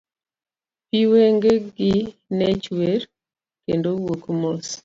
Pi wenge gi ne chwer, kendo wuok mos.